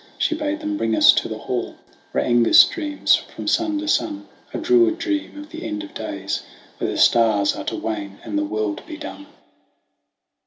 She bade them bring us to the hall Where Aengus dreams, from sun to sun, A Druid dream of the end of days When the stars are to wane and the world be done.